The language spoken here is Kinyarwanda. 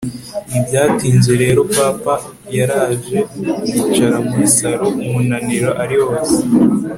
ntibyatinze rero papa yaraje yicara muri salon umunaniro ari wose